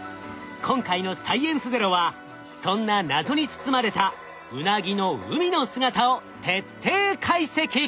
今回の「サイエンスＺＥＲＯ」はそんな謎に包まれたウナギの海の姿を徹底解析。